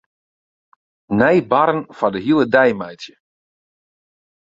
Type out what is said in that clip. Nij barren foar de hiele dei meitsje.